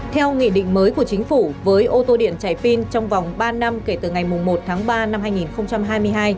theo nghị định mới của chính phủ với ô tô điện chạy pin trong vòng ba năm kể từ ngày một tháng ba năm hai nghìn hai mươi hai